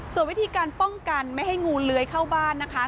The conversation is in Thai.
ส่วนวิธีการป้องกันไม่ให้งูเลื้อยเข้าบ้านนะคะ